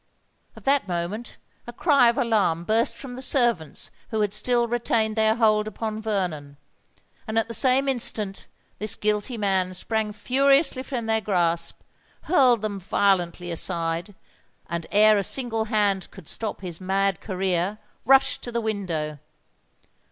At that moment a cry of alarm burst from the servants who had still retained their hold upon Vernon; and at the same instant this guilty man sprang furiously from their grasp—hurled them violently aside—and, ere a single hand could stop his mad career, rushed to the window.